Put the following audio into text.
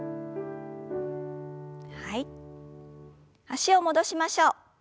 脚を戻しましょう。